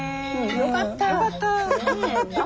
よかった。